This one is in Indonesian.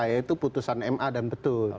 yaitu putusan ma dan betul